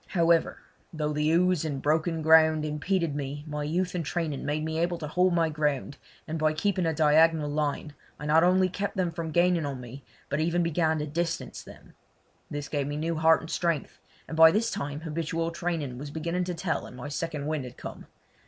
However, though the ooze and broken ground impeded me my youth and training made me able to hold my ground, and by keeping a diagonal line I not only kept them from gaining on me but even began to distance them. This gave me new heart and strength, and by this time habitual training was beginning to tell and my second wind had come.